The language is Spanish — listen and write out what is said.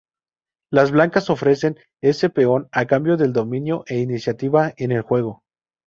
Las blancas ofrecen ese peón a cambio del dominio e iniciativa en el juego.